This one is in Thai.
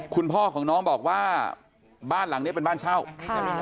คุณพ่อของน้องบอกว่าบ้านหลังเนี้ยเป็นบ้านเช่าใช่ไหมคะ